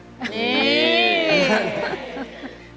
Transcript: นี่